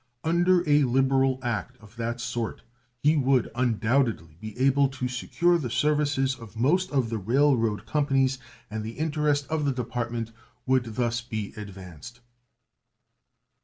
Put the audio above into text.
Under a liberal act of that sort he would undoubtedly be able to secure the services of most of the railroad companies, and the interest of the Department would be thus advanced.